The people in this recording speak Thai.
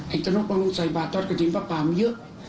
ไอ้จนกมันต้องใส่บาททอดกระดิ่งปลาเยอะ